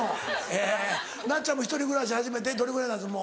えなっちゃんも１人暮らし始めてどれぐらい？